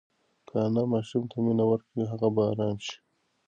که انا ماشوم ته مینه ورکړي، هغه به ارام شي.